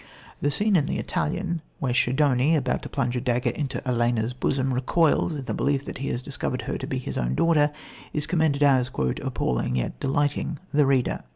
The scene in The Italian, where Schedoni, about to plunge a dagger into Ellena's bosom, recoils, in the belief that he has discovered her to be his own daughter, is commended as "appalling yet delighting the reader."